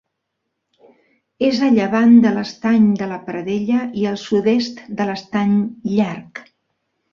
És a llevant de l'Estany de la Pradella i al sud-est de l'Estany Llarg.